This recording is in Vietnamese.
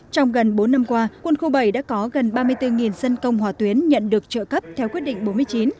trong gần bốn năm qua quân khu bảy đã có gần ba mươi bốn dân công hòa tuyến nhận được trợ cấp theo quyết định bốn mươi chín